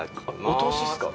お通しっすか？